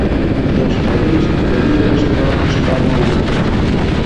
یو ښکاري کرۍ ورځ ښکار نه وو مېندلی -